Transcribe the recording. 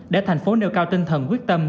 để thành phố nêu cao tinh thần quyết tâm